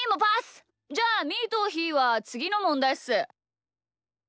じゃあみーとひーはつぎのもんだいっす！